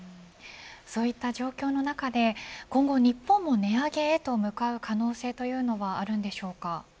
そういった状況の中で今後、日本も値上げへと向かう可能性というのはあるんでしょうか。